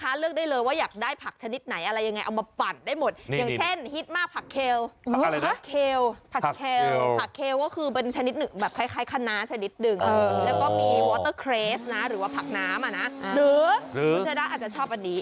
หรือว่าผักน้ำน่ะหรือคุณธรรมอาจจะชอบอันนี้